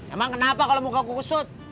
emang kenapa kalo muka ku kusut